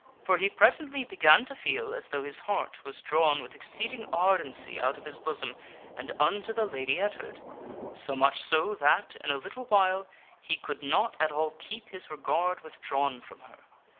For he presently began to feel as though his heart was drawn with exceeding ardency out of his bosom and unto the Lady Ettard ; so much so that, in a little while, he could not at all keep his regard withdrawn from her.